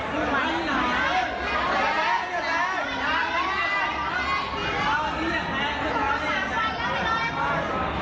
แสงแสง